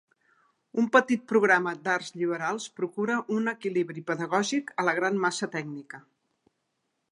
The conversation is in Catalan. Un petit programa d'arts lliberals procura un equilibri pedagògic a la gran massa tècnica.